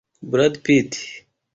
brad pitt